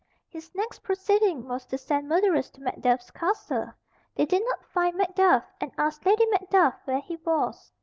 His next proceeding was to send murderers to Macduff's castle. They did not find Macduff, and asked Lady Macduff where he was.